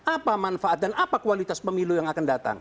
apa manfaat dan apa kualitas pemilu yang akan datang